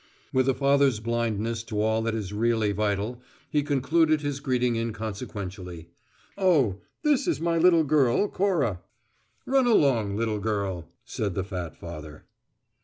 With a father's blindness to all that is really vital, he concluded his greeting inconsequently: "Oh, this is my little girl Cora." "Run along, little girl," said the fat father.